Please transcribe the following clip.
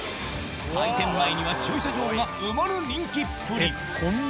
開店前には駐車場が埋まる人気っぷり！